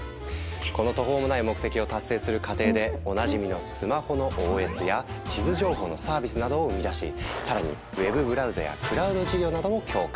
この途方もない目的を達成する過程でおなじみのスマホのＯＳや地図情報のサービスなどを生み出し更にウェブブラウザやクラウド事業なども強化。